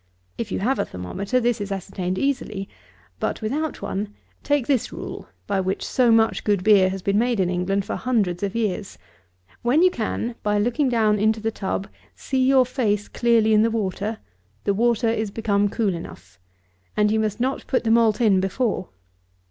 If you have a thermometer, this is ascertained easily; but, without one, take this rule, by which so much good beer has been made in England for hundreds of years: when you can, by looking down into the tub, see your face clearly in the water, the water is become cool enough; and you must not put the malt in before.